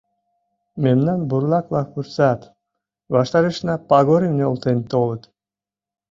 Мемнам бурлак-влак вурсат, ваштарешна пагорым нӧлтен толыт.